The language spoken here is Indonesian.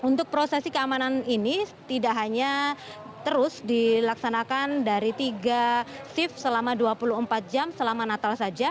untuk prosesi keamanan ini tidak hanya terus dilaksanakan dari tiga shift selama dua puluh empat jam selama natal saja